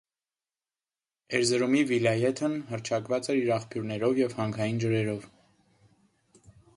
Էրզրումի վիլայեթն հռչակված էր իր աղբյուրներով և հանքային ջրերով։